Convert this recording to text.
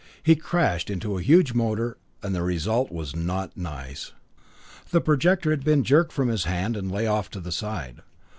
He crashed into a huge motor, and the result was not nice. The projector had been jerked from his hand and lay off to the side.